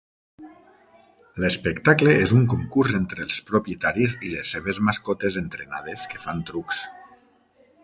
L'espectacle és un concurs entre els propietaris i les seves mascotes entrenades que fan trucs.